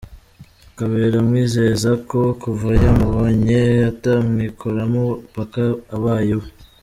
Kabera amwizeza ko kuva yamubonye atamwikuramo paka abaye uwe!.